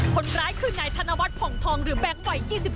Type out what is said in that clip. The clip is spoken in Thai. คนร้ายคือนายธนวัฒน์ผ่องทองหรือแบงค์วัย๒๓